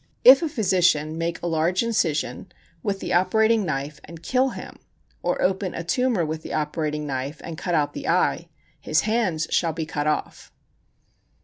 If a physician make a large incision with the operating knife, and kill him, or open a tumor with the operating knife, and cut out the eye, his hands shall be cut off.